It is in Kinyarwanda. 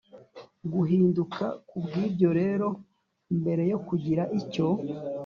guhinduka Ku bw ibyo rero mbere yo kugira icyo